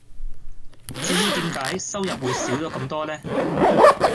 至於點解收入會少咗咁多呢?